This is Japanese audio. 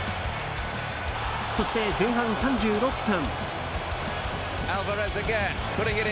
そして前半３６分。